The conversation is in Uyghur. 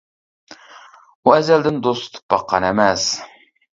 ئۇ ئەزەلدىن دوست تۇتۇپ باققان ئەمەس.